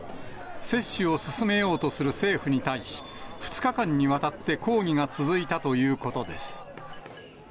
接種を進めようとする政府に対し、２日間にわたって抗議が続いたということです。